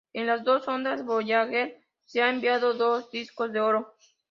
En las dos sondas Voyager se han enviado dos discos de oro.